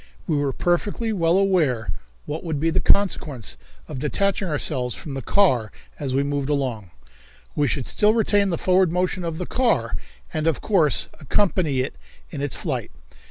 We were perfectly well aware what would be the consequence of detaching ourselves from the car as we moved along. We should still retain the forward motion of the car, and of course accompany it in its flight.